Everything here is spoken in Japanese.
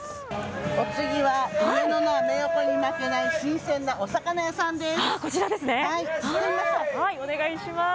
お次は、上野のアメ横に負けない新鮮なお魚屋さんです。